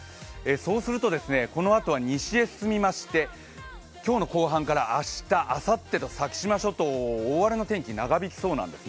そうするとこのあとは西へ進みまして今日の後半から明日、あさって、先島諸島大荒れの天気、長引きそうなんです。